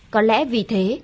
có lẽ vì thế